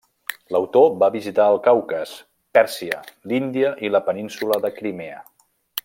L'autor va visitar el Caucas, Pèrsia, l'Índia i la península de Crimea.